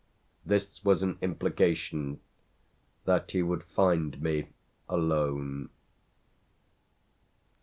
This was an implication that he would find me alone.